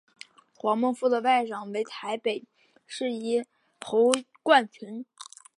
黄孟复的外甥为台北市议员侯冠群。